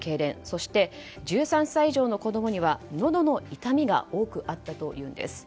そして、１３歳以上の子供にはのどの痛みが多くあったというんです。